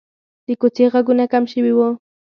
د کوڅې غږونه کم شوي وو.